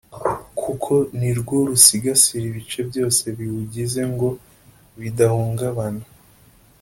Kuko ni rwo rusigasira ibice byose biwugize ngo bidahungabana